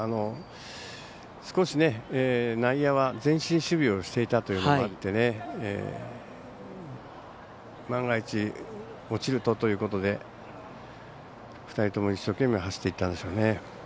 少し、内野は前進守備をしていたこともあって万が一、落ちるとということで２人とも一生懸命走っていったんでしょうね。